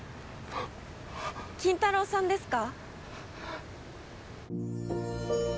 筋太郎さんですか？